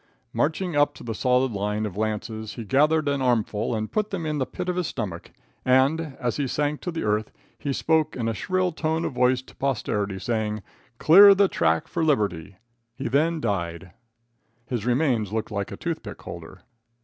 Marching up to the solid line of lances, he gathered an armful and put them in the pit of his stomach, and, as he sank to the earth, he spoke in a shrill tone of voice to posterity, saying, "Clear the track for Liberty." He then died. His remains looked like a toothpick holder.